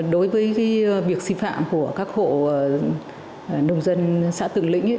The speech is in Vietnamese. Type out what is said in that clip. đối với việc xin phạm của các hộ nông dân xã tượng lĩnh